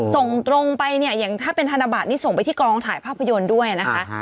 ส่งตรงไปเนี่ยอย่างถ้าเป็นธนบัตรนี่ส่งไปที่กองถ่ายภาพยนตร์ด้วยนะคะ